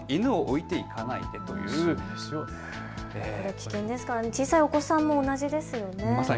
危険ですから、小さいお子さんも同じですよね。